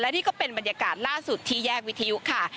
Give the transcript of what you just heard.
นี่ก็เป็นบรรยากาศล่าสุดที่แยกวิทยุค่ะ